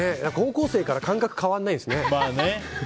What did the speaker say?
高校生から感覚が変わらないですね。